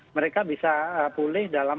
mereka bisa pulih dalam